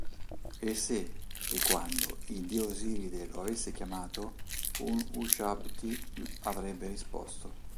E se, e quando, il dio Osiride lo avesse chiamato, un "ushabti" avrebbe risposto.